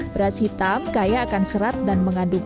beras hitam kaya akan serat dan mengandung